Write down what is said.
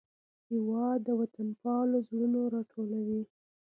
هېواد د وطنپال زړونه راټولوي.